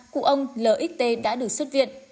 cụ ông lxt đã được xuất viện